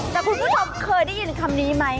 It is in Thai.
แต่คุณผู้ชมเคยได้ยินคำนี้ไหม